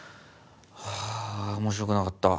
ハァ面白くなかった。